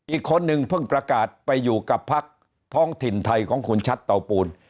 อีกคนนึงเพิ่งประกาศไปอยู่กับพักท้องถิ่นไทยของคุณชัดเตาปูน